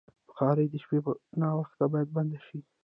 بخاري د شپې ناوخته باید بنده شي.